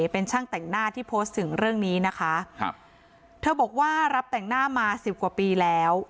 เป็นช่างแต่งหน้าที่โพสต์ถึงเรื่องนี้นะคะครับเธอบอกว่ารับแต่งหน้ามาสิบกว่าปีแล้ว